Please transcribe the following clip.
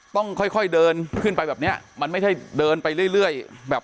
ต้องค่อยค่อยเดินขึ้นไปแบบเนี้ยมันไม่ใช่เดินไปเรื่อยแบบ